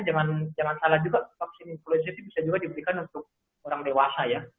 jangan salah juga vaksin influenza itu bisa juga diberikan untuk orang dewasa ya